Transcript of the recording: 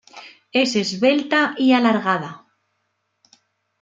Es esbelta y alargada.